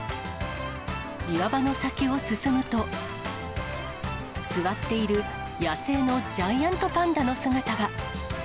岩場の先を進むと、座っている野生のジャイアントパンダの姿が。